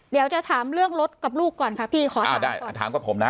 เดี๋ยวจะถามเรื่องรถกับลูกก่อนค่ะพี่ขออ่าได้อ่าถามกับผมนะ